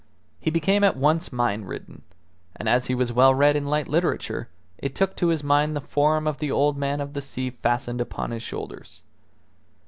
He became at once mine ridden, and as he was well read in light literature it took to his mind the form of the Old Man of the Sea fastened upon his shoulders.